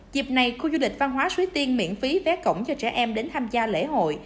dịp này khu du lịch văn hóa suối tiên miễn phí vé cổng cho trẻ em đến tham gia lễ hội